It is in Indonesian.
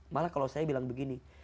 malah kalau saya bilang begini